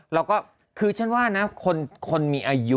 เราก็คือฉันว่านะคนมีอายุ